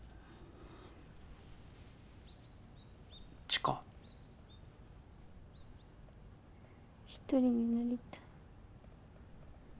一人になりたい。